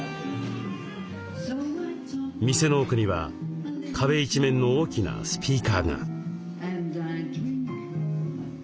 店の奥には壁一面の大きなスピーカーが。